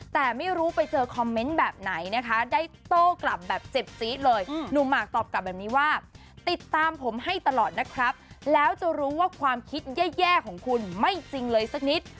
แต่ไม่รู้ไปเจอคอมเมนต์แบบไหนนะคะได้โต้กลับแบบเจ็บจี๊ดเลยหนุ่มหมากตอบกลับแบบนี้ว่าติดตามผมให้ตลอดนะครับแล้วจะรู้ว่าความคิดแย่ของคุณไม่จริงเลยสักนิด